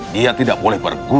dia tidak boleh bergurau